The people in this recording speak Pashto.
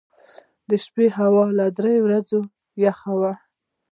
• د شپې هوا له ورځې یخه وي.